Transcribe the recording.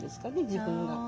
自分が。